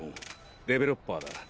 デベロッパーだ。